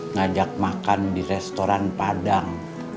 ngajak makan di restoran padang